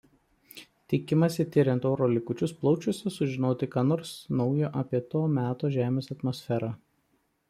Tikimasi tiriant oro likučius plaučiuose sužinoti ką nors naujo apie to meto Žemės atmosferą.